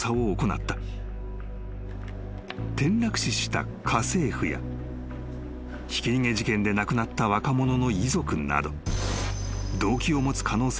［転落死した家政婦やひき逃げ事件で亡くなった若者の遺族など徹底的に］